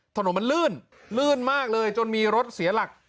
ถนนมันลื่นลื่นมากเลยจนมีรถเสียหลัก